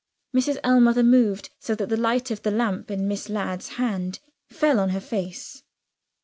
Mrs. Ellmother moved, so that the light of the lamp in Miss Ladd's hand fell on her face.